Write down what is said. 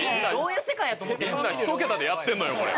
みんなみんなひと桁でやってんのよこれ。